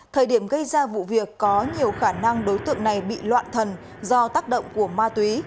thời điểm gây ra vụ việc có nhiều khả năng đối tượng này bị loạn thần do tác động của ma túy